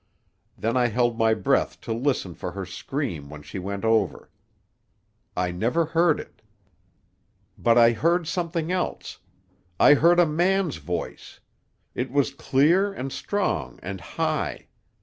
Then I held my breath to listen for her scream when she went over. I never heard it. "But I heard something else. I heard a man's voice. It was clear and strong and high.